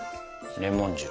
レモン汁。